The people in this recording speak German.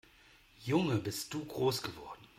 Junge, bist du groß geworden!